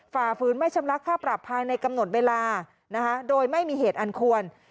ฝ่าฝืนไม่ชำระค่าปรับภายในกำหนดเวลานะคะโดยไม่มีเหตุอันควร